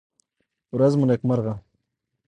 ورڅ مو نېکمرغه!